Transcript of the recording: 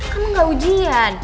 kamu gak ujian